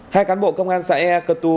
hai cán bộ công an xã ea cơ tu